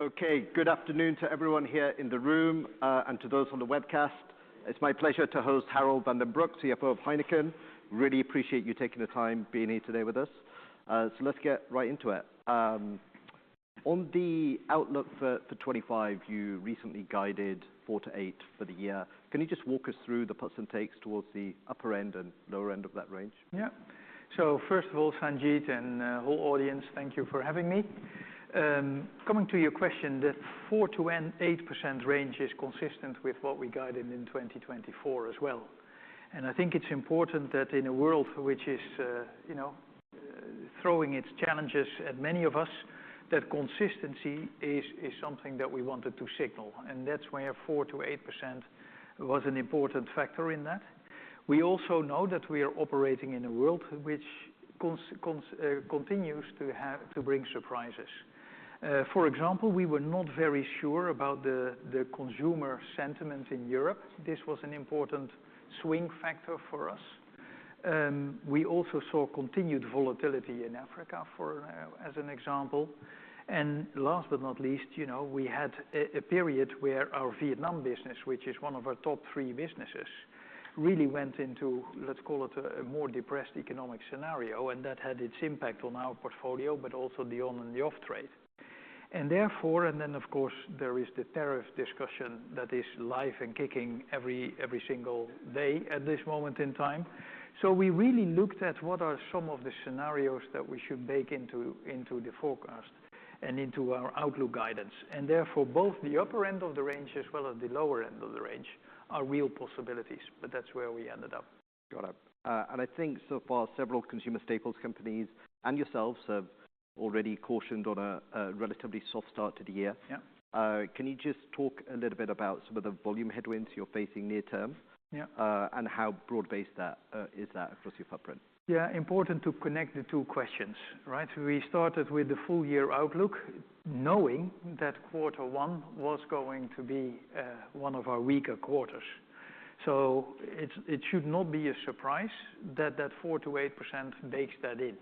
Okay, good afternoon to everyone here in the room, and to those on the webcast. It's my pleasure to host Harold van den Broek, CFO of Heineken. Really appreciate you taking the time being here today with us. Let's get right into it. On the outlook for 2025, you recently guided 4%-8% for the year. Can you just walk us through the plus and takes towards the upper end and lower end of that range? Yeah. First of all, Sanjeet, and whole audience, thank you for having me. Coming to your question, the 4%-8% range is consistent with what we guided in 2024 as well. I think it's important that in a world which is, throwing its challenges at many of us, that consistency is something that we wanted to signal. That's where 4%-8% was an important factor in that. We also know that we are operating in a world which continues to bring surprises. For example, we were not very sure about the consumer sentiment in Europe. This was an important swing factor for us. We also saw continued volatility in Africa, for example. Last but not least, we had a period where our Vietnam business, which is one of our top three businesses, really went into, let's call it, a more depressed economic scenario, and that had its impact on our portfolio, but also the on- and the off-trade. Therefore, of course, there is the tariff discussion that is live and kicking every single day at this moment in time. We really looked at what are some of the scenarios that we should bake into the forecast and into our outlook guidance. Therefore, both the upper end of the range as well as the lower end of the range are real possibilities, but that's where we ended up. Got it. I think so far several consumer staples companies and yourselves have already cautioned on a relatively soft start to the year. Yeah. Can you just talk a little bit about some of the volume headwinds you're facing near term? How broad-based is that, is that across your footprint? Yeah. Important to connect the two questions, right? We started with the full-year outlook, knowing that quarter one was going to be one of our weaker quarters. So it should not be a surprise that, that 4%-8% bakes that in.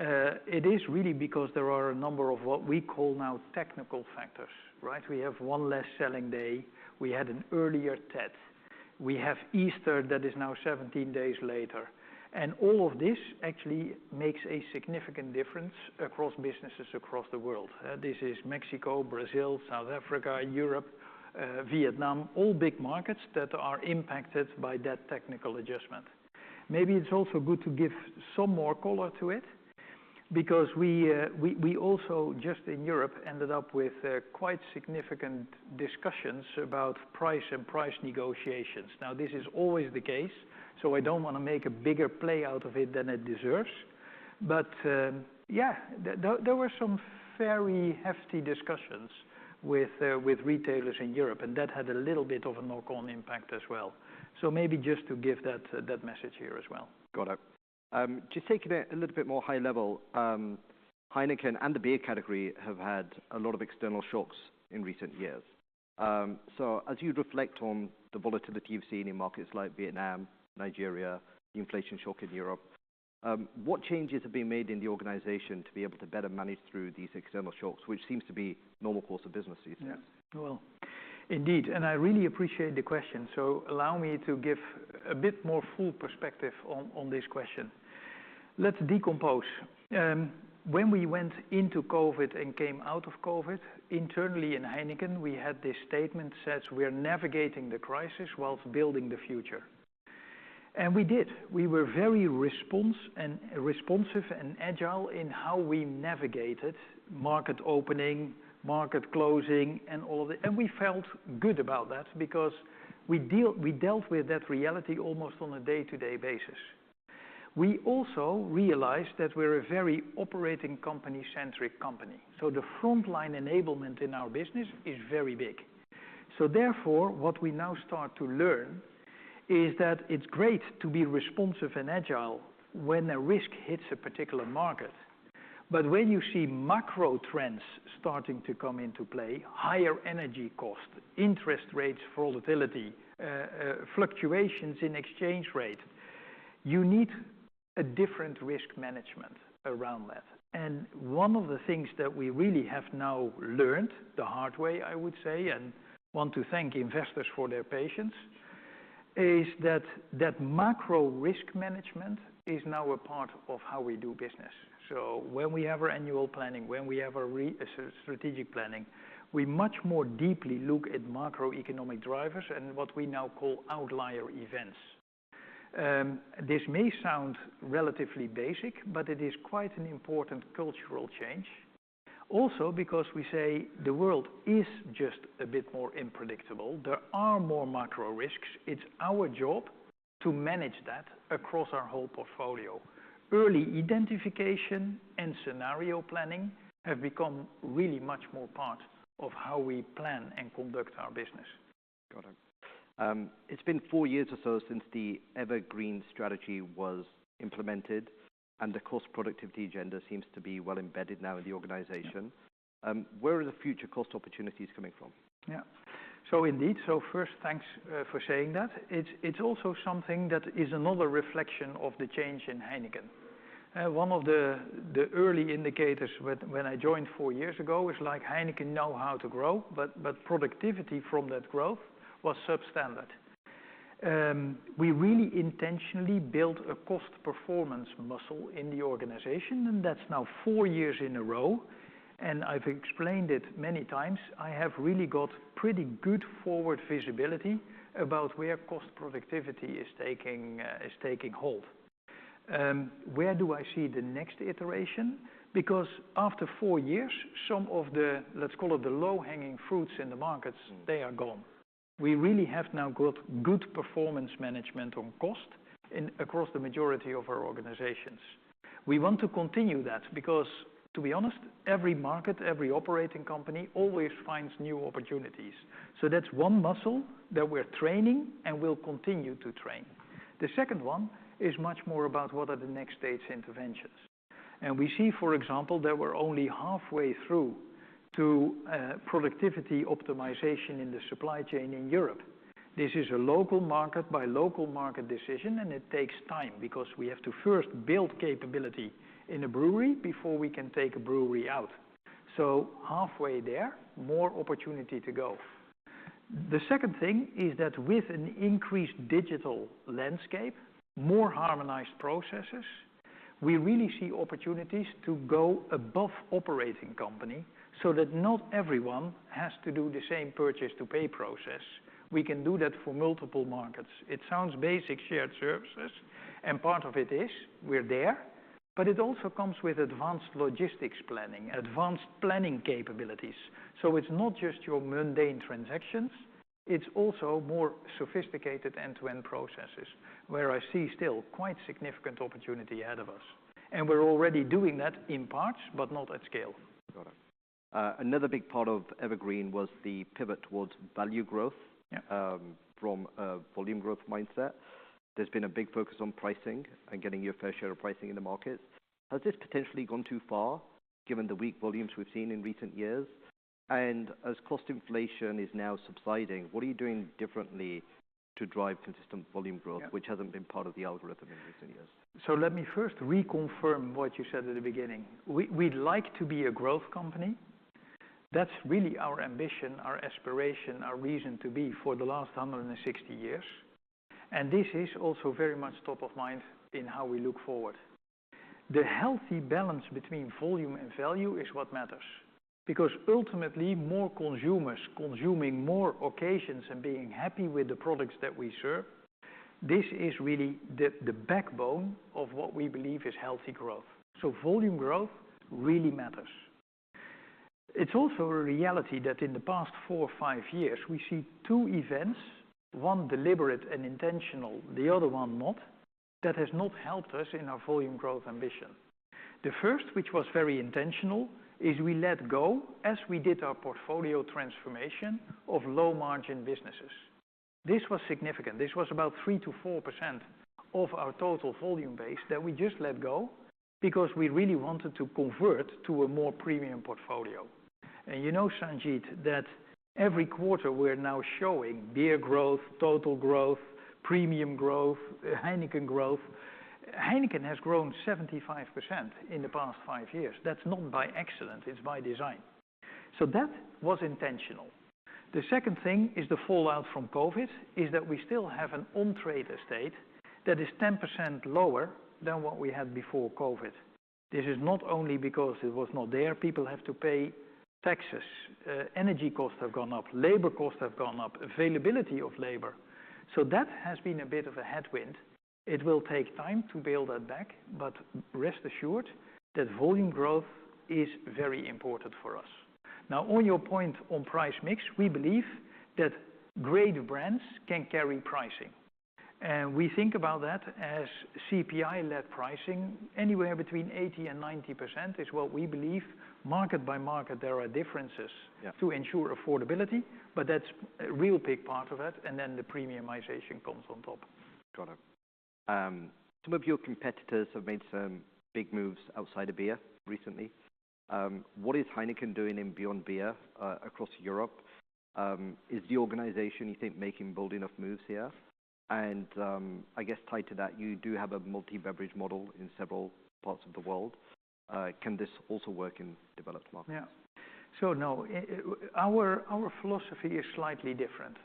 It is really because there are a number of what we call now technical factors, right? We have one less selling day. We had an earlier Tet. We have Easter that is now 17 days later. All of this actually makes a significant difference across businesses across the world. This is Mexico, Brazil, South Africa, Europe, Vietnam, all big markets that are impacted by that technical adjustment. Maybe it is also good to give some more color to it because we also, just in Europe, ended up with quite significant discussions about price and price negotiations. Now, this is always the case, so I don't want to make a bigger play out of it than it deserves. Yeah, there were some very hefty discussions with retailers in Europe, and that had a little bit of a knock-on impact as well. Maybe just to give that message here as well. Got it. Just taking a little bit more high-level, Heineken and the beer category have had a lot of external shocks in recent years. As you reflect on the volatility you've seen in markets like Vietnam, Nigeria, the inflation shock in Europe, what changes have been made in the organization to be able to better manage through these external shocks, which seems to be normal course of business these days? Yeah. Indeed. I really appreciate the question. Allow me to give a bit more full perspective on this question. Let's decompose. When we went into COVID and came out of COVID, internally in Heineken, we had this statement that says, "We're navigating the crisis whilst building the future." We did. We were very response and responsive and agile in how we navigated market opening, market closing, and all of the, and we felt good about that because we dealt with that reality almost on a day-to-day basis. We also realized that we're a very operating company-centric company. The frontline enablement in our business is very big. Therefore, what we now start to learn is that it's great to be responsive and agile when a risk hits a particular market. When you see macro trends starting to come into play, higher energy costs, interest rates for volatility, fluctuations in exchange rate, you need a different risk management around that. One of the things that we really have now learned the hard way, I would say, and want to thank investors for their patience, is that, that macro risk management is now a part of how we do business. When we have our annual planning, when we have our re-strategic planning, we much more deeply look at macroeconomic drivers and what we now call outlier events. This may sound relatively basic, but it is quite an important cultural change. Also, because we say the world is just a bit more unpredictable, there are more macro risks. It's our job to manage that across our whole portfolio. Early identification and scenario planning have become really much more part of how we plan and conduct our business. Got it. It's been four years or so since the Evergreen strategy was implemented, and the cost productivity agenda seems to be well embedded now in the organization. Where are the future cost opportunities coming from? Yeah. So indeed. First, thanks for saying that. It's also something that is another reflection of the change in Heineken. One of the early indicators when I joined four years ago is, like, Heineken know how to grow, but productivity from that growth was substandard. We really intentionally built a cost performance muscle in the organization, and that's now four years in a row. I've explained it many times. I have really got pretty good forward visibility about where cost productivity is taking hold. Where do I see the next iteration? Because after four years, some of the, let's call it the low-hanging fruits in the markets, they are gone. We really have now got good performance management on cost across the majority of our organizations. We want to continue that because, to be honest, every market, every operating company always finds new opportunities. That is one muscle that we're training and we'll continue to train. The second one is much more about what are the next stage interventions. We see, for example, that we're only halfway through to productivity optimization in the supply chain in Europe. This is a local market by local market decision, and it takes time because we have to first build capability in a brewery before we can take a brewery out. Halfway there, more opportunity to go. The second thing is that with an increased digital landscape, more harmonized processes, we really see opportunities to go above operating company so that not everyone has to do the same purchase-to-pay process. We can do that for multiple markets. It sounds basic, shared services, and part of it is we're there, but it also comes with advanced logistics planning, advanced planning capabilities. It is not just your mundane transactions. It is also more sophisticated end-to-end processes where I see still quite significant opportunity ahead of us. We are already doing that in parts, but not at scale. Got it. Another big part of Evergreen was the pivot towards value growth. From a volume growth mindset. There's been a big focus on pricing and getting your fair share of pricing in the markets. Has this potentially gone too far given the weak volumes we've seen in recent years? As cost inflation is now subsiding, what are you doing differently to drive consistent volume growth, which hasn't been part of the algorithm in recent years? Let me first reconfirm what you said at the beginning. We'd like to be a growth company. That's really our ambition, our aspiration, our reason to be for the last 160 years. This is also very much top of mind in how we look forward. The healthy balance between volume and value is what matters because ultimately, more consumers consuming more occasions and being happy with the products that we serve, this is really the backbone of what we believe is healthy growth. Volume growth really matters. It's also a reality that in the past four, five years, we see two events, one deliberate and intentional, the other one not, that has not helped us in our volume growth ambition. The first, which was very intentional, is we let go, as we did our portfolio transformation of low-margin businesses. This was significant. This was about 3%-4% of our total volume base that we just let go because we really wanted to convert to a more premium portfolio. You know, Sanjeet, that every quarter we're now showing beer growth, total growth, premium growth, Heineken growth. Heineken has grown 75% in the past five years. That's not by accident. It's by design. That was intentional. The second thing is the fallout from COVID is that we still have an on-trade estate that is 10% lower than what we had before COVID. This is not only because it was not there. People have to pay taxes. Energy costs have gone up. Labor costs have gone up. Availability of labor. That has been a bit of a headwind. It will take time to build that back, but rest assured that volume growth is very important for us. Now, on your point on price mix, we believe that great brands can carry pricing. We think about that as CPI-led pricing, anywhere between 80%-90% is what we believe. Market by market, there are differences. To ensure affordability, that is a real big part of it. The premiumization comes on top. Got it. Some of your competitors have made some big moves outside of beer recently. What is Heineken doing in Beyond Beer, across Europe? Is the organization, you think, making bold enough moves here? I guess tied to that, you do have a multi-beverage model in several parts of the world. Can this also work in developed markets? Yeah. No, our philosophy is slightly different,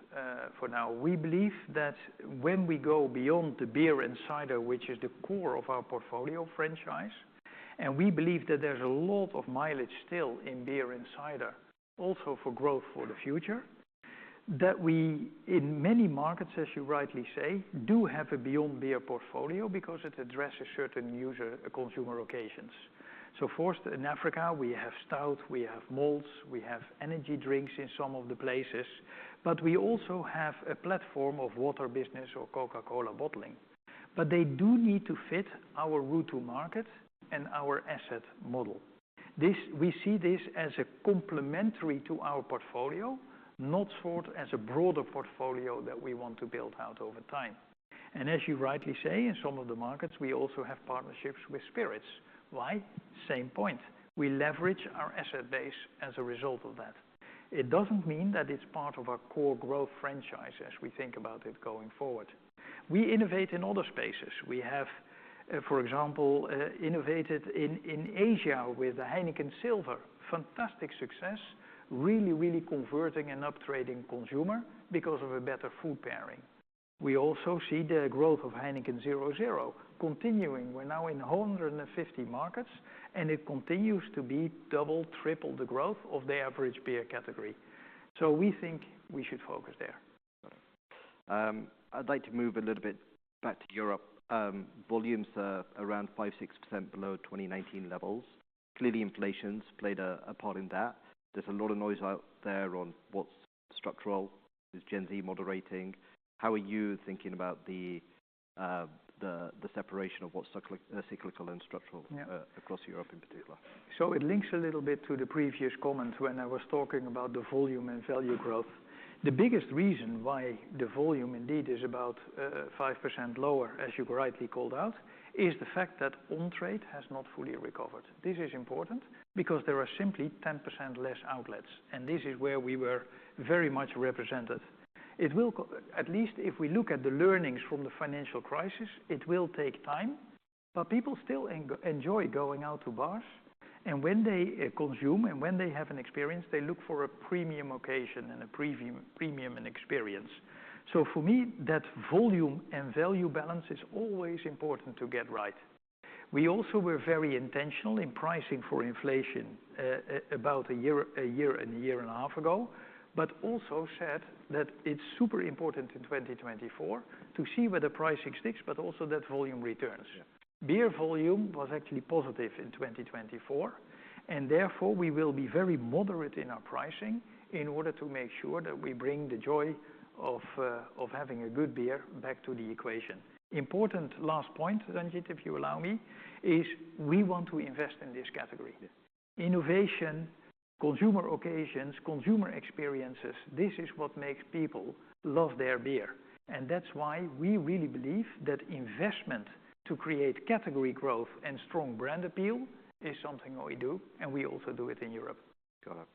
for now. We believe that when we go beyond the beer and cider, which is the core of our portfolio franchise, and we believe that there's a lot of mileage still in beer and cider, also for growth for the future, that we, in many markets, as you rightly say, do have a Beyond Beer portfolio because it addresses certain user consumer occasions. First, in Africa, we have stout, we have malts, we have energy drinks in some of the places, but we also have a platform of water business or Coca-Cola bottling. They do need to fit our route to market and our asset model. We see this as complementary to our portfolio, not as a broader portfolio that we want to build out over time. As you rightly say, in some of the markets, we also have partnerships with spirits. Why? Same point. We leverage our asset base as a result of that. It does not mean that it is part of our core growth franchise as we think about it going forward. We innovate in other spaces. We have, for example, innovated in Asia with the Heineken Silver. Fantastic success, really, really converting an uptrading consumer because of a better food pairing. We also see the growth of Heineken 0.0 continuing. We are now in 150 markets, and it continues to be double, triple the growth of the average beer category. We think we should focus there. Got it. I'd like to move a little bit back to Europe. Volumes are around 5%-6% below 2019 levels. Clearly, inflation's played a part in that. There's a lot of noise out there on what's structural, what is Gen Z moderating. How are you thinking about the separation of what's cyclical and structural across Europe in particular? It links a little bit to the previous comment when I was talking about the volume and value growth. The biggest reason why the volume indeed is about 5% lower, as you rightly called out, is the fact that on-trade has not fully recovered. This is important because there are simply 10% less outlets, and this is where we were very much represented. It will, at least if we look at the learnings from the financial crisis, take time, but people still enjoy going out to bars. When they consume and when they have an experience, they look for a premium occasion and a premium, premium and experience. For me, that volume and value balance is always important to get right. We also were very intentional in pricing for inflation, about a year, a year and a half ago, but also said that it's super important in 2024 to see whether pricing sticks, but also that volume returns. Beer volume was actually positive in 2024, and therefore we will be very moderate in our pricing in order to make sure that we bring the joy of, of having a good beer back to the equation. Important last point, Sanjeet, if you allow me, is we want to invest in this category. Innovation, consumer occasions, consumer experiences, this is what makes people love their beer. That is why we really believe that investment to create category growth and strong brand appeal is something we do, and we also do it in Europe. Got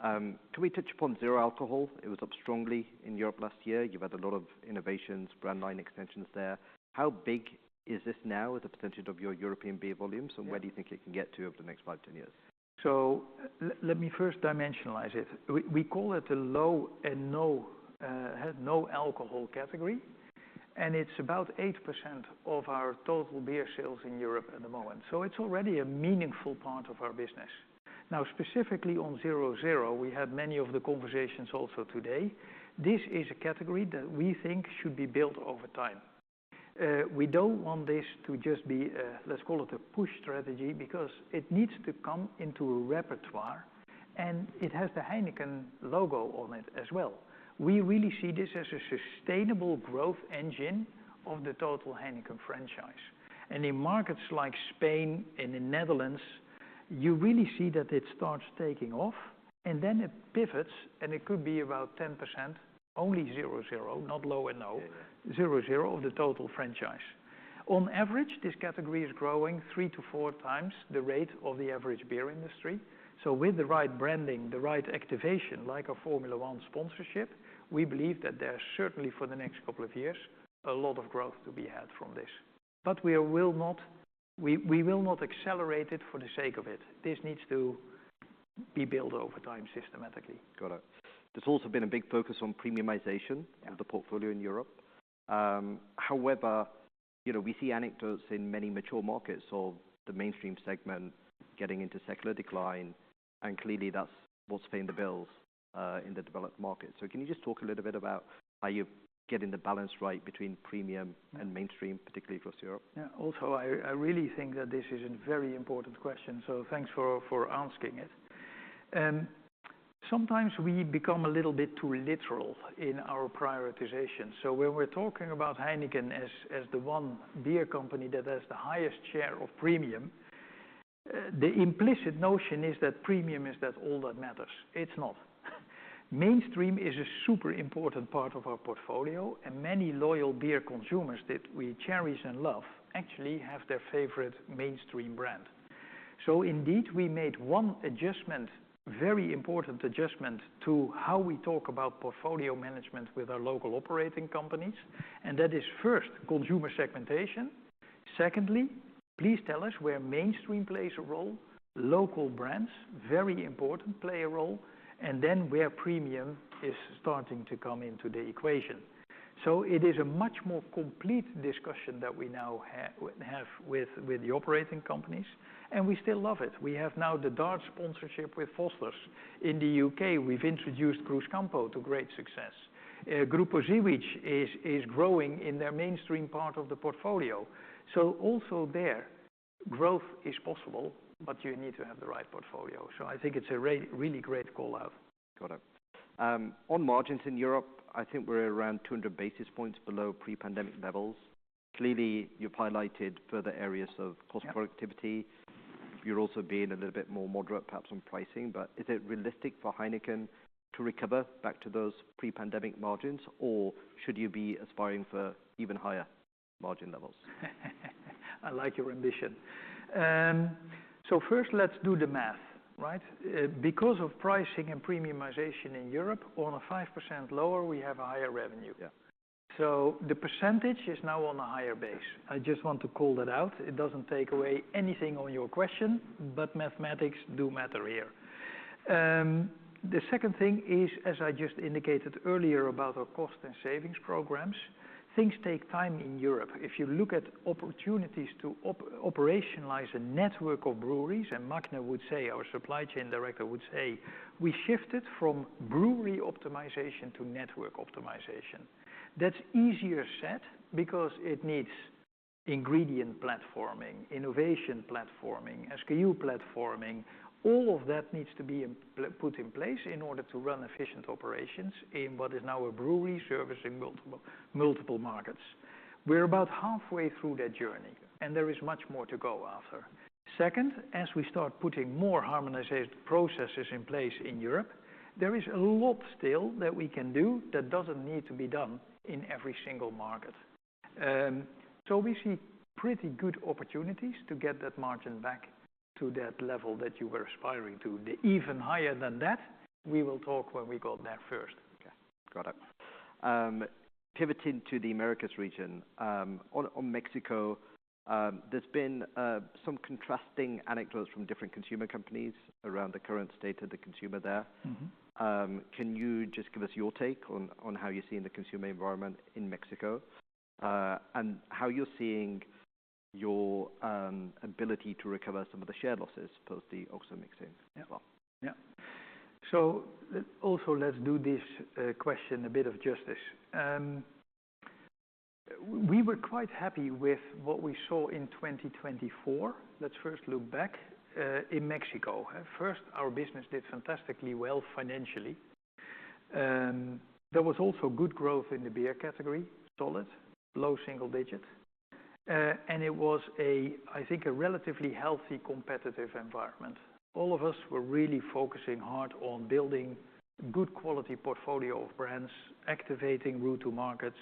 it. Can we touch upon zero alcohol? It was up strongly in Europe last year. You've had a lot of innovations, brand line extensions there. How big is this now with the percentage of your European beer volumes, and where do you think it can get to over the next 5, 10 years? Let me first dimensionalize it. We call it a Low and No alcohol category, and it's about 8% of our total beer sales in Europe at the moment. It is already a meaningful part of our business. Now, specifically on Zero Zero, we had many of the conversations also today. This is a category that we think should be built over time. We do not want this to just be, let's call it a push strategy because it needs to come into a repertoire, and it has the Heineken logo on it as well. We really see this as a sustainable growth engine of the total Heineken franchise. In markets like Spain and the Netherlands, you really see that it starts taking off, and then it pivots, and it could be about 10%, only Zero Zero, not Low and No, Zero Zero of the total franchise. On average, this category is growing 3-4x the rate of the average beer industry. With the right branding, the right activation, like a Formula 1 sponsorship, we believe that there's certainly for the next couple of years a lot of growth to be had from this. We will not, we will not accelerate it for the sake of it. This needs to be built over time systematically. Got it. There's also been a big focus on premiumization and the portfolio in Europe. However, you know, we see anecdotes in many mature markets of the mainstream segment getting into secular decline, and clearly that's what's paying the bills, in the developed markets. Can you just talk a little bit about how you're getting the balance right between premium and mainstream, particularly across Europe? Yeah. Also, I really think that this is a very important question, so thanks for asking it. Sometimes we become a little bit too literal in our prioritization. When we're talking about Heineken as the one beer company that has the highest share of premium, the implicit notion is that premium is all that matters. It's not. Mainstream is a super important part of our portfolio, and many loyal beer consumers that we cherish and love actually have their favorite mainstream brand. Indeed, we made one adjustment, very important adjustment to how we talk about portfolio management with our local operating companies, and that is first, consumer segmentation. Secondly, please tell us where mainstream plays a role. Local brands, very important, play a role, and then where premium is starting to come into the equation. It is a much more complete discussion that we now have with the operating companies, and we still love it. We have now the Darts sponsorship with Foster's. In the U.K., we've introduced Cruzcampo to great success. Grupa Żywiec is growing in their mainstream part of the portfolio. Also there, growth is possible, but you need to have the right portfolio. I think it's a really great call out. Got it. On margins in Europe, I think we're around 200 basis points below pre-pandemic levels. Clearly, you've highlighted further areas of cost productivity. You're also being a little bit more moderate, perhaps on pricing, but is it realistic for Heineken to recover back to those pre-pandemic margins, or should you be aspiring for even higher margin levels? I like your ambition. First, let's do the math, right? Because of pricing and premiumization in Europe, on a 5% lower, we have a higher revenue. The percentage is now on a higher base. I just want to call that out. It does not take away anything on your question, but mathematics do matter here. The second thing is, as I just indicated earlier about our cost and savings programs, things take time in Europe. If you look at opportunities to operationalize a network of breweries, and Magne would say, our supply chain director would say, we shifted from brewery optimization to network optimization. That is easier said because it needs ingredient platforming, innovation platforming, SKU platforming. All of that needs to be put in place in order to run efficient operations in what is now a brewery servicing multiple, multiple markets. We are about halfway through that journey, and there is much more to go after. Second, as we start putting more harmonized processes in place in Europe, there is a lot still that we can do that does not need to be done in every single market. We see pretty good opportunities to get that margin back to that level that you were aspiring to. Even higher than that, we will talk when we got there first. Okay. Got it. Pivoting to the Americas region, on Mexico, there's been some contrasting anecdotes from different consumer companies around the current state of the consumer there. Can you just give us your take on how you're seeing the consumer environment in Mexico, and how you're seeing your ability to recover some of the share losses post the Oxxo mixing as well? Yeah. Let's do this question a bit of justice. We were quite happy with what we saw in 2024. Let's first look back, in Mexico. First, our business did fantastically well financially. There was also good growth in the beer category, solid, low single-digit. It was, I think, a relatively healthy competitive environment. All of us were really focusing hard on building a good quality portfolio of brands, activating route to markets.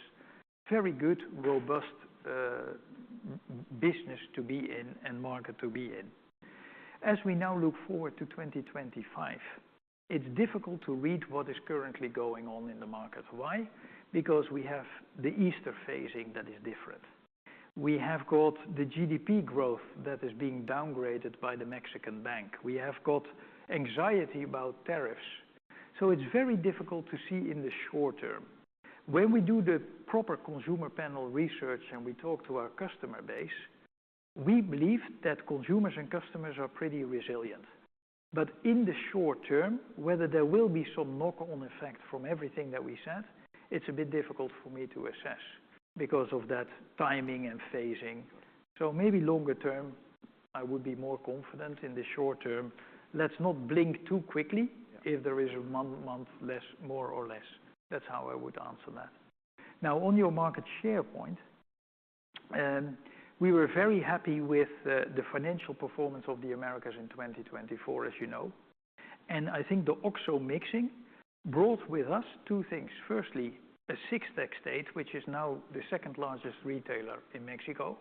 Very good, robust business to be in and market to be in. As we now look forward to 2025, it's difficult to read what is currently going on in the market. Why? Because we have the Easter phasing that is different. We have got the GDP growth that is being downgraded by the Mexican Bank. We have got anxiety about tariffs. It's very difficult to see in the short term. When we do the proper consumer panel research and we talk to our customer base, we believe that consumers and customers are pretty resilient. In the short term, whether there will be some knock-on effect from everything that we said, it's a bit difficult for me to assess because of that timing and phasing. Maybe longer term, I would be more confident. In the short term, let's not blink too quickly. Yeah. If there is a month-on-month less, more or less. That's how I would answer that. Now, on your market share point, we were very happy with the financial performance of the Americas in 2024, as you know. I think the Oxxo mixing brought with us two things. Firstly, a sixth estate, which is now the second-largest retailer in Mexico.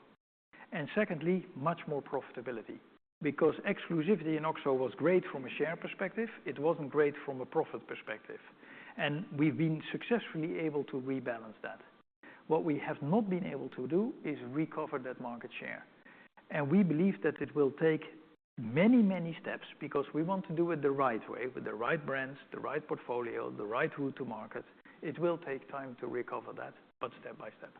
Secondly, much more profitability because exclusivity in Oxxo was great from a share perspective. It wasn't great from a profit perspective. We have been successfully able to rebalance that. What we have not been able to do is recover that market share. We believe that it will take many, many steps because we want to do it the right way, with the right brands, the right portfolio, the right route to market. It will take time to recover that, but step by step.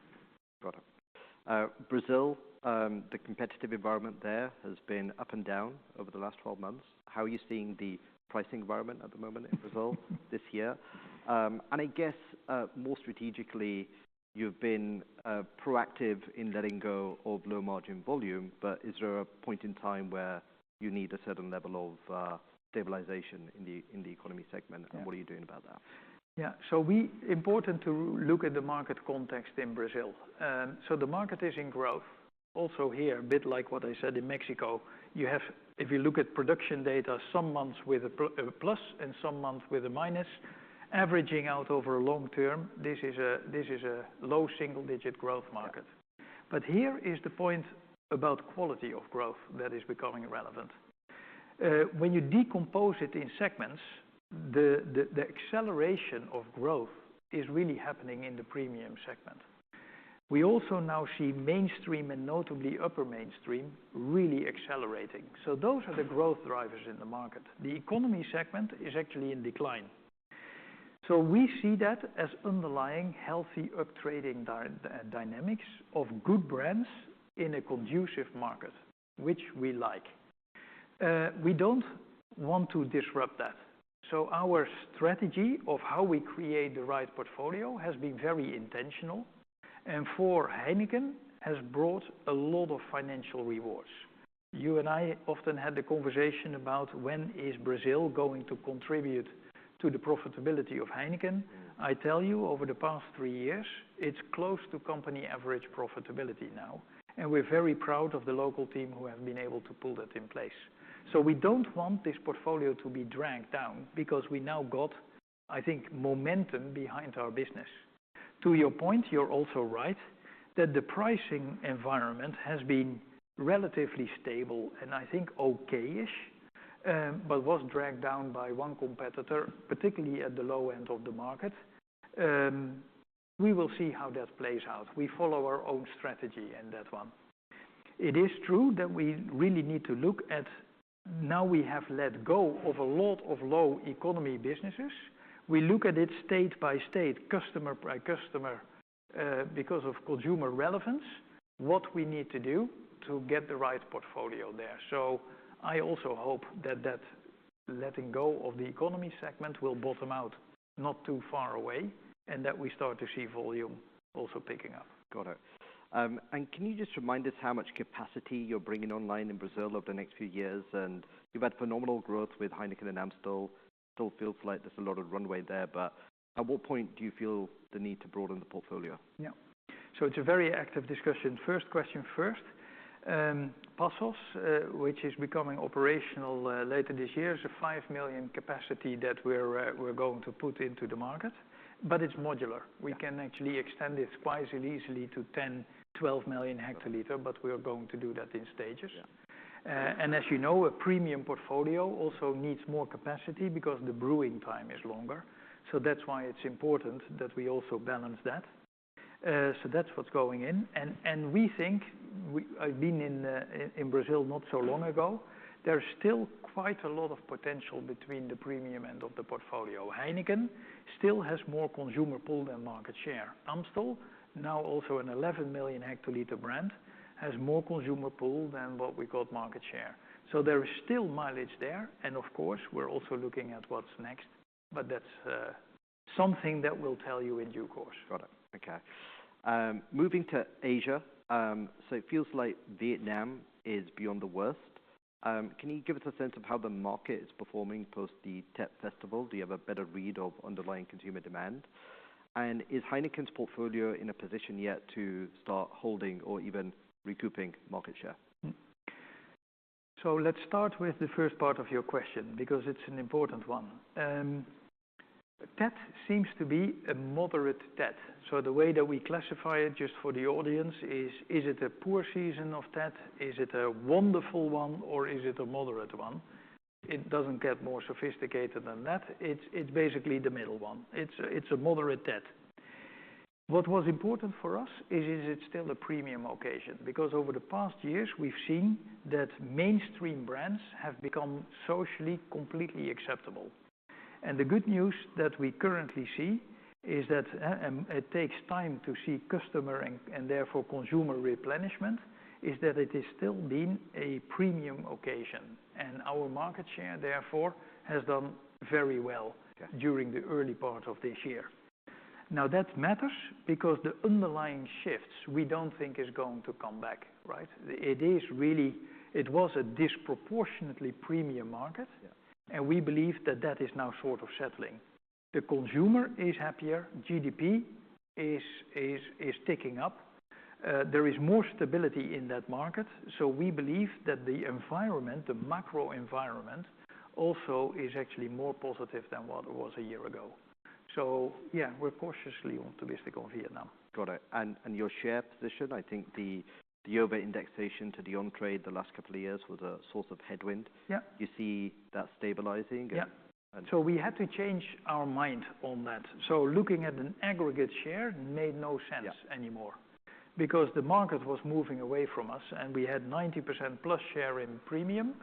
Got it. Brazil, the competitive environment there has been up and down over the last 12 months. How are you seeing the pricing environment at the moment in Brazil this year? I guess, more strategically, you've been proactive in letting go of low-margin volume, but is there a point in time where you need a certain level of stabilization in the economy segment? What are you doing about that? Yeah. It is important to look at the market context in Brazil. The market is in growth. Also here, a bit like what I said in Mexico, you have, if you look at production data, some months with a plus and some months with a minus, averaging out over a long term, this is a low single-digit growth market. Here is the point about quality of growth that is becoming relevant. When you decompose it in segments, the acceleration of growth is really happening in the premium segment. We also now see mainstream and notably upper mainstream really accelerating. Those are the growth drivers in the market. The economy segment is actually in decline. We see that as underlying healthy uptrading dynamics of good brands in a conducive market, which we like. We do not want to disrupt that. Our strategy of how we create the right portfolio has been very intentional, and for Heineken, has brought a lot of financial rewards. You and I often had the conversation about when is Brazil going to contribute to the profitability of Heineken. I tell you, over the past three years, it's close to company average profitability now, and we're very proud of the local team who have been able to pull that in place. We don't want this portfolio to be dragged down because we now got, I think, momentum behind our business. To your point, you're also right that the pricing environment has been relatively stable and I think okay-ish, but was dragged down by one competitor, particularly at the low end of the market. We will see how that plays out. We follow our own strategy in that one. It is true that we really need to look at now we have let go of a lot of low economy businesses. We look at it state by state, customer by customer, because of consumer relevance, what we need to do to get the right portfolio there. I also hope that, that letting go of the economy segment will bottom out not too far away and that we start to see volume also picking up. Got it. Can you just remind us how much capacity you're bringing online in Brazil over the next few years? You've had phenomenal growth with Heineken and Amstel. Still feels like there's a lot of runway there, but at what point do you feel the need to broaden the portfolio? Yeah. It is a very active discussion. First question first, Passos, which is becoming operational later this year, is a 5 million capacity that we are going to put into the market, but it is modular. We can actually extend it quite easily to 10 million-12 million hectoliter, but we are going to do that in stages. As you know, a premium portfolio also needs more capacity because the brewing time is longer. That's why it's important that we also balance that. That's what's going in. We think, I've been in Brazil not so long ago, there's still quite a lot of potential between the premium end of the portfolio. Heineken still has more consumer pull than market share. Amstel, now also an 11 million hectoliter brand, has more consumer pull than what we got market share. There is still mileage there. Of course, we're also looking at what's next, but that's something that we'll tell you in due course. Got it. Okay. Moving to Asia, it feels like Vietnam is beyond the worst. Can you give us a sense of how the market is performing post the Tet Festival? Do you have a better read of underlying consumer demand? Is Heineken's portfolio in a position yet to start holding or even recouping market share? Let's start with the first part of your question because it's an important one. Tet seems to be a moderate Tet. The way that we classify it just for the audience is, is it a poor season of Tet? Is it a wonderful one? Or is it a moderate one? It doesn't get more sophisticated than that. It's basically the middle one. It's a moderate Tet. What was important for us is, is it still a premium occasion? Because over the past years, we've seen that mainstream brands have become socially completely acceptable. The good news that we currently see is that, it takes time to see customer and, and therefore consumer replenishment, is that it has still been a premium occasion. Our market share, therefore, has done very well. During the early part of this year. Now, that matters because the underlying shifts we don't think is going to come back, right? It is really, it was a disproportionately premium market. We believe that that is now sort of settling. The consumer is happier. GDP is ticking up. There is more stability in that market. We believe that the environment, the macro environment, also is actually more positive than what it was a year ago. Yeah, we're cautiously optimistic on Vietnam. Got it. Your share position, I think the over-indexation to the on-trade the last couple of years was a source of headwind. Yeah. You see that stabilizing? Yeah. We had to change our mind on that. Looking at an aggregate share made no sense anymore because the market was moving away from us, and we had 90%+ share in premium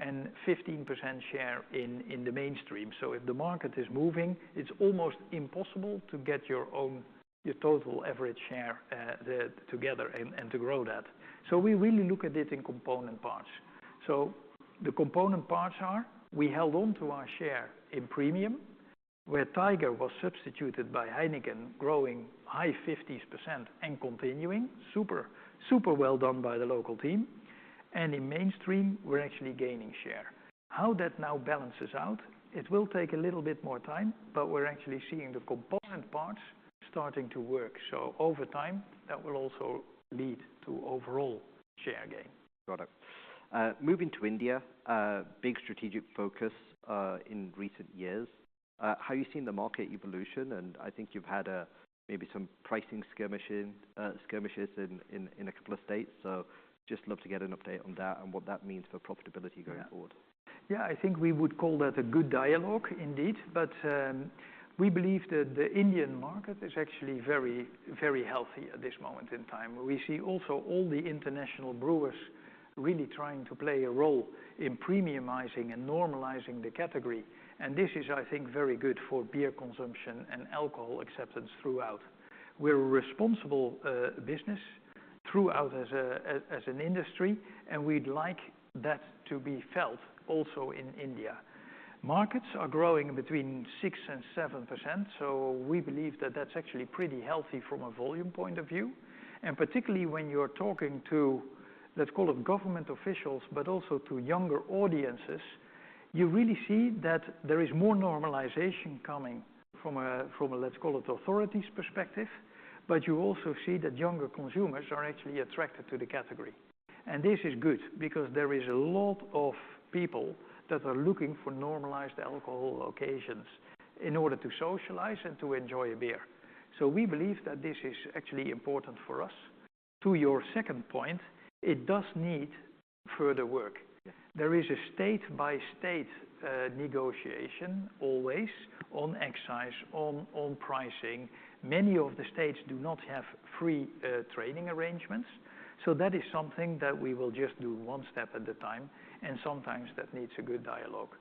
and 15% share in the mainstream. If the market is moving, it's almost impossible to get your total average share together and to grow that. We really look at it in component parts. The component parts are, we held on to our share in premium where Tiger was substituted by Heineken, growing high 50% and continuing, super, super well done by the local team. In mainstream, we're actually gaining share. How that now balances out, it will take a little bit more time, but we're actually seeing the component parts starting to work. Over time, that will also lead to overall share gain. Got it. Moving to India, big strategic focus in recent years. How have you seen the market evolution? I think you've had maybe some pricing skirmishing, skirmishes in a couple of states. Just love to get an update on that and what that means for profitability going forward. Yeah. I think we would call that a good dialogue indeed, but we believe that the Indian market is actually very, very healthy at this moment in time. We see also all the international brewers really trying to play a role in premiumizing and normalizing the category. This is, I think, very good for beer consumption and alcohol acceptance throughout. We're a responsible business throughout as an industry, and we'd like that to be felt also in India. Markets are growing between 6% and 7%. We believe that that's actually pretty healthy from a volume point of view. Particularly when you're talking to, let's call it government officials, but also to younger audiences, you really see that there is more normalization coming from a-- let's call it authorities perspective, but you also see that younger consumers are actually attracted to the category. This is good because there is a lot of people that are looking for normalized alcohol occasions in order to socialize and to enjoy a beer. We believe that this is actually important for us. To your second point, it does need further work. There is a state-by-state negotiation always on excise, on pricing. Many of the states do not have free trading arrangements. That is something that we will just do one step at a time, and sometimes that needs a good dialogue.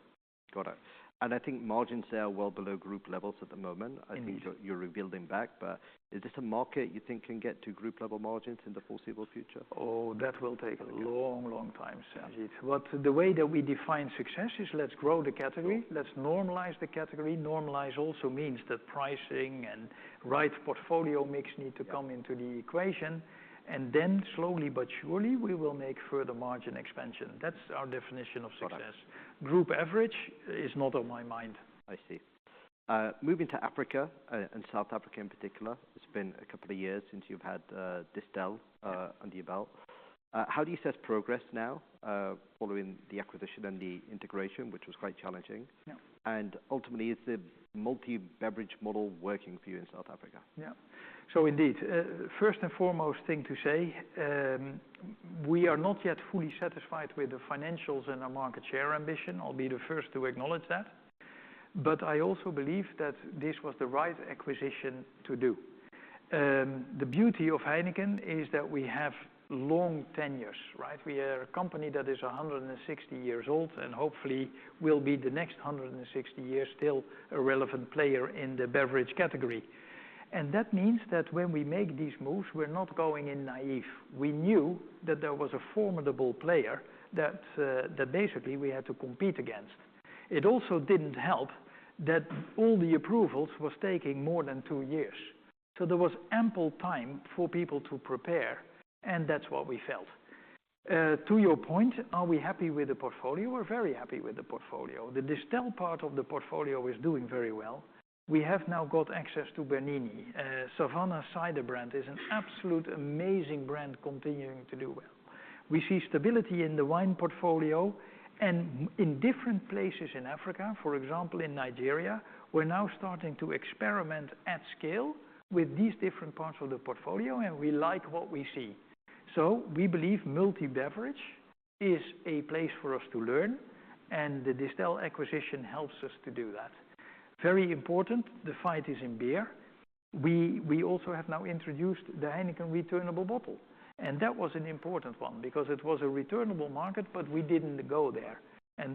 Got it. I think margins are well below group levels at the moment. I think you're rebuilding back, but is this a market you think can get to group level margins in the foreseeable future? Oh, that will take a long, long time, sir. Indeed. The way that we define success is let's grow the category, let's normalize the category. Normalize also means that pricing and right portfolio mix need to come into the equation. And then slowly but surely, we will make further margin expansion. That's our definition of success. Got it. Group average is not on my mind. I see. Moving to Africa, and South Africa in particular, it's been a couple of years since you've had Distell under your belt. How do you assess progress now, following the acquisition and the integration, which was quite challenging? Ultimately, is the multi-beverage model working for you in South Africa? Yeah. Indeed, first and foremost thing to say, we are not yet fully satisfied with the financials and our market share ambition, I'll be the first to acknowledge that. I also believe that this was the right acquisition to do. The beauty of Heineken is that we have long tenures, right? We are a company that is 160 years old and, hopefully, will be the next 160 years still a relevant player in the beverage category. That means that when we make these moves, we're not going in naive. We knew that there was a formidable player that basically we had to compete against. It also did not help that all the approvals were taking more than two years. There was ample time for people to prepare, and that's what we felt. To your point, are we happy with the portfolio? We're very happy with the portfolio. The Distell part of the portfolio is doing very well. We have now got access to Bernini. Savanna Cider brand is an absolute amazing brand continuing to do well. We see stability in the wine portfolio and in different places in Africa, for example, in Nigeria, we're now starting to experiment at scale with these different parts of the portfolio, and we like what we see. We believe multi-beverage is a place for us to learn, and the Distell acquisition helps us to do that. Very important, the fight is in beer. We also have now introduced the Heineken returnable bottle, and that was an important one because it was a returnable market, but we didn't go there.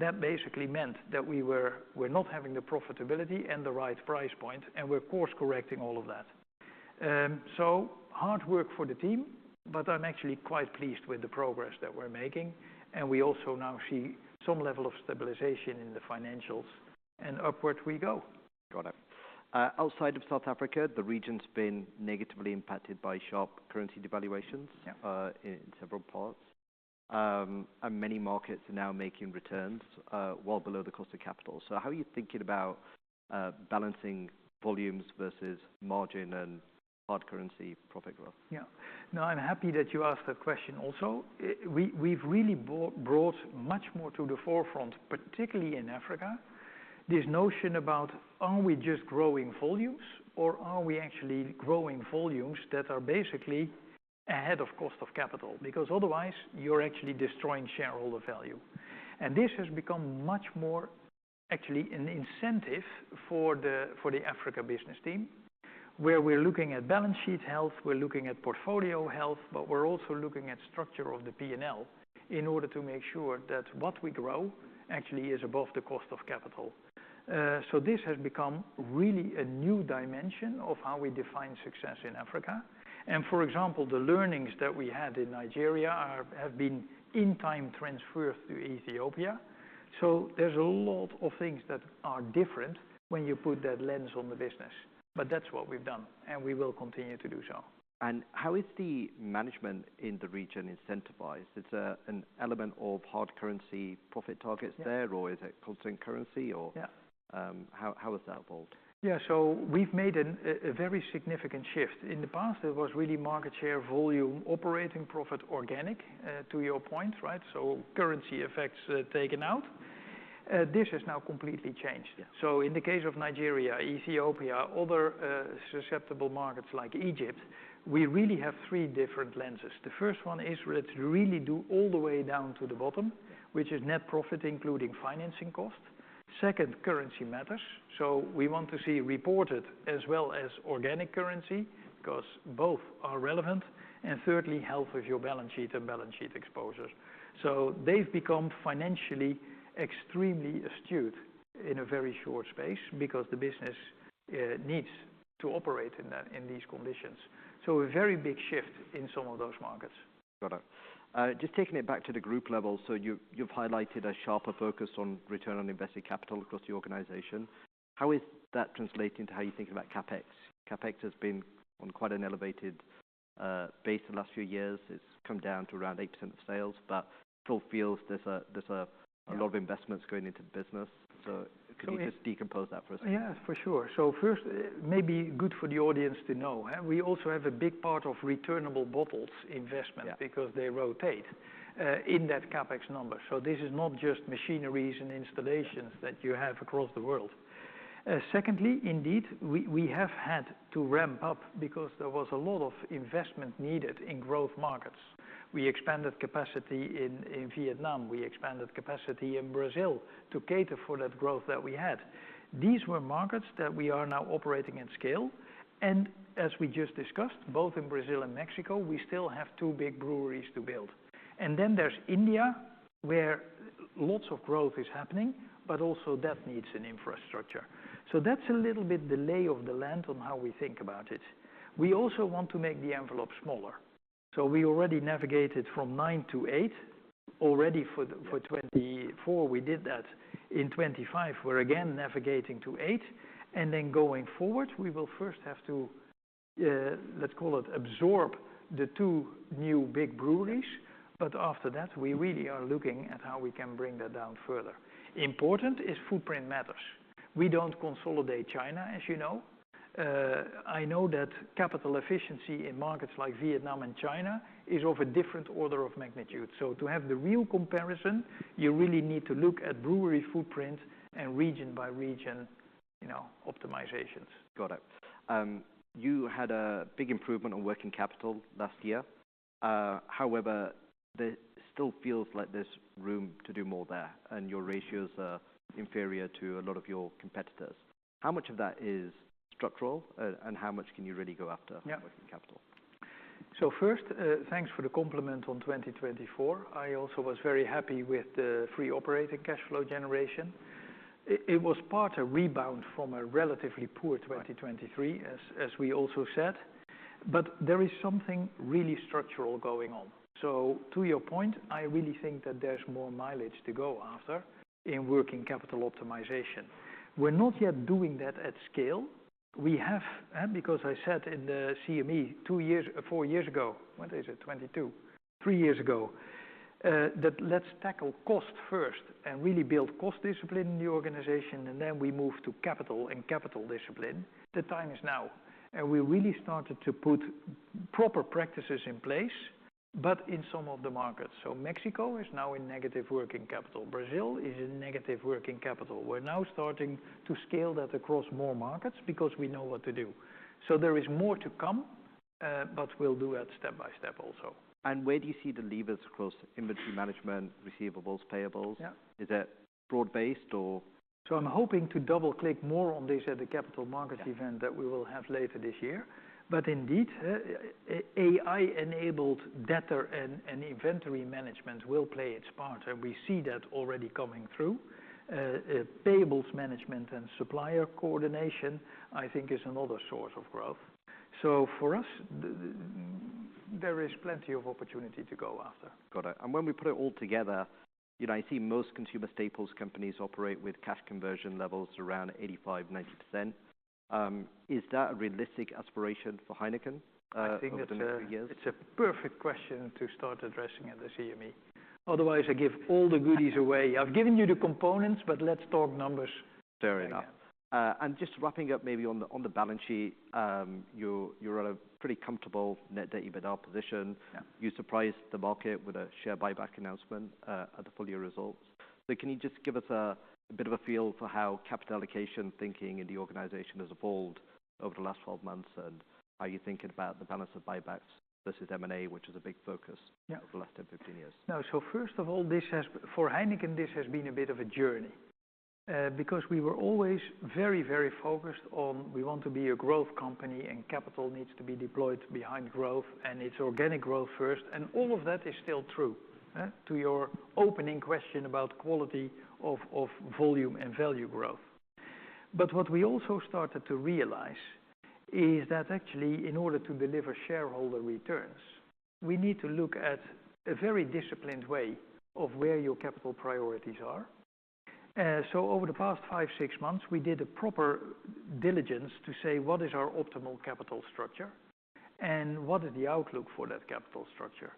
That basically meant that we were not having the profitability and the right price point, and we're course correcting all of that. Hard work for the team, but I'm actually quite pleased with the progress that we're making. We also now see some level of stabilization in the financials, and upward we go. Got it. Outside of South Africa, the region's been negatively impacted by sharp currency devaluations. In several parts. Many markets are now making returns, well below the cost of capital. How are you thinking about balancing volumes versus margin and hard currency profit growth? Yeah. No, I'm happy that you asked that question also. We've really brought much more to the forefront, particularly in Africa, this notion about are we just growing volumes or are we actually growing volumes that are basically ahead of cost of capital? Because otherwise, you're actually destroying shareholder value. This has become much more actually an incentive for the Africa business team where we're looking at balance sheet health, we're looking at portfolio health, but we're also looking at structure of the P&L in order to make sure that what we grow actually is above the cost of capital. This has become really a new dimension of how we define success in Africa. For example, the learnings that we had in Nigeria have been in time transferred to Ethiopia. There are a lot of things that are different when you put that lens on the business, but that's what we've done, and we will continue to do so. How is the management in the region incentivized? It's a, an element of hard currency profit targets there, or is it constant currency or? Yeah. How has that evolved? Yeah. We've made a very significant shift. In the past, it was really market share, volume, operating profit, organic, to your point, right? So currency effects taken out. This has now completely changed. Yeah. In the case of Nigeria, Ethiopia, other susceptible markets like Egypt, we really have three different lenses. The first one is let's really do all the way down to the bottom, which is net profit including financing cost. Second, currency matters. We want to see reported as well as organic currency because both are relevant. Thirdly, health of your balance sheet and balance sheet exposures. They have become financially extremely astute in a very short space because the business needs to operate in that, in these conditions. A very big shift in some of those markets. Got it. Just taking it back to the group level. You've highlighted a sharper focus on return on invested capital across the organization. How is that translating to how you think about CapEx? CapEx has been on quite an elevated base the last few years. It's come down to around 8% of sales, but still feels there's a lot of investments going into the business. Could you just decompose that for us? Yeah, for sure. First, maybe good for the audience to know, we also have a big part of returnable bottles investment. Because they rotate, in that CapEx number. This is not just machineries and installations that you have across the world. Secondly, indeed, we have had to ramp up because there was a lot of investment needed in growth markets. We expanded capacity in Vietnam. We expanded capacity in Brazil to cater for that growth that we had. These were markets that we are now operating at scale. As we just discussed, both in Brazil and Mexico, we still have two big breweries to build. There is India where lots of growth is happening, but also that needs an infrastructure. That is a little bit the lay of the land on how we think about it. We also want to make the envelope smaller. We already navigated from nine to eight already for 2024. We did that in 2025. We are again navigating to eight. Going forward, we will first have to, let's call it, absorb the two new big breweries. After that, we really are looking at how we can bring that down further. Important is footprint matters. We do not consolidate China, as you know. I know that capital efficiency in markets like Vietnam and China is of a different order of magnitude. To have the real comparison, you really need to look at brewery footprint and region by region, you know, optimizations. Got it. You had a big improvement on working capital last year. However, there still feels like there's room to do more there, and your ratios are inferior to a lot of your competitors. How much of that is structural, and how much can you really go after? Working capital? First, thanks for the compliment on 2024. I also was very happy with the free operating cash flow generation. It was part a rebound from a relatively poor 2023, as we also said. There is something really structural going on. To your point, I really think that there's more mileage to go after in working capital optimization. We're not yet doing that at scale. We have, because I said in the CME two years, four years ago, what is it, 2022, three years ago, that let's tackle cost first and really build cost discipline in the organization, and then we move to capital and capital discipline. The time is now. We really started to put proper practices in place, but in some of the markets. Mexico is now in negative working capital. Brazil is in negative working capital. We're now starting to scale that across more markets because we know what to do. There is more to come, but we'll do that step by step also. Where do you see the levers across inventory management, receivables, payables? Yeah. Is that broad-based or? I'm hoping to double-click more on this at the capital market event that we will have later this year. Indeed, AI-enabled debtor and inventory management will play its part. We see that already coming through. Payables management and supplier coordination, I think, is another source of growth. For us, there is plenty of opportunity to go after. Got it. When we put it all together, you know, I see most consumer staples companies operate with cash conversion levels around 85%-90%. Is that a realistic aspiration for Heineken? I think it's a perfect question to start addressing at the CME. Otherwise, I give all the goodies away. I've given you the components, but let's talk numbers. Fair enough. Just wrapping up maybe on the, on the balance sheet, you're, you're at a pretty comfortable net debt/EBITDA position. You surprised the market with a share buyback announcement at the full year results. Can you just give us a bit of a feel for how capital allocation thinking in the organization has evolved over the last 12 months and how you're thinking about the balance of buybacks versus M&A, which is a big focus. Yeah. Over the last 10, 15 years? No. First of all, this has for Heineken, this has been a bit of a journey, because we were always very, very focused on we want to be a growth company and capital needs to be deployed behind growth, and it's organic growth first. All of that is still true, to your opening question about quality of, of volume and value growth. What we also started to realize is that actually, in order to deliver shareholder returns, we need to look at a very disciplined way of where your capital priorities are. Over the past five, six months, we did a proper diligence to say what is our optimal capital structure and what is the outlook for that capital structure.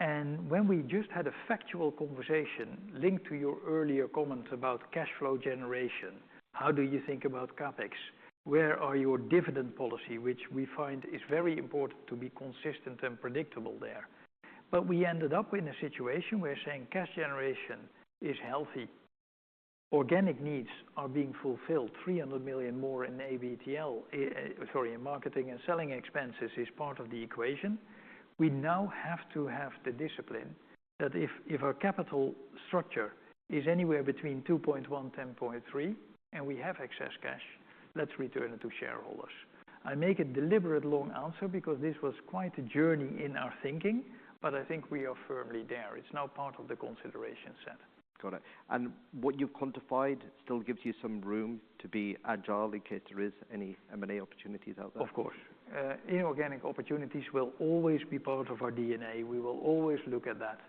When we just had a factual conversation linked to your earlier comments about cash flow generation, how do you think about CapEx? Where are your dividend policy, which we find is very important to be consistent and predictable there? We ended up in a situation where saying cash generation is healthy, organic needs are being fulfilled, $300 million more in ABTL, sorry, in marketing and selling expenses is part of the equation. We now have to have the discipline that if our capital structure is anywhere between 2.1-3.0, and we have excess cash, let's return it to shareholders. I make a deliberate long answer because this was quite a journey in our thinking, but I think we are firmly there. It's now part of the consideration set. Got it. What you've quantified still gives you some room to be agile in case there is any M&A opportunities out there? Of course. Inorganic opportunities will always be part of our DNA. We will always look at that.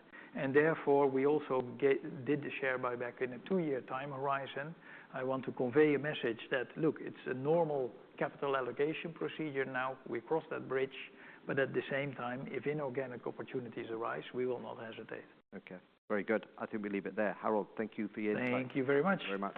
Therefore, we also did the share buyback in a two-year time horizon. I want to convey a message that, look, it's a normal capital allocation procedure now. We crossed that bridge. At the same time, if inorganic opportunities arise, we will not hesitate. Okay. Very good. I think we leave it there. Harold, thank you for your time. Thank you very much. Very much.